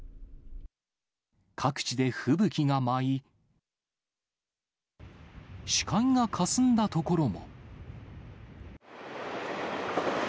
各地で吹雪が舞い、視界がかすんだ所も。